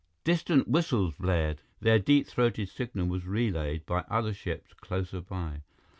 Distant whistles blared; their deep throated signal was relayed by other ships closer by.